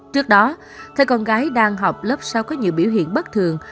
trước đó thay con gái đang học lớp sau có nhiều biểu hiện bất thường